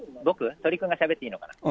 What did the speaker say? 鳥くんがしゃべっていいのかな。